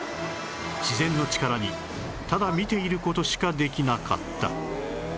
自然の力にただ見ている事しかできなかった